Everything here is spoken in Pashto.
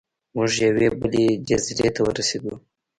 موږ یوې بلې جزیرې ته ورسیدو.